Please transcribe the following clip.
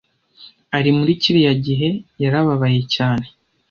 ari muri kiriya gihe yarababaye cyane